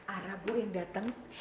arah bu yang datang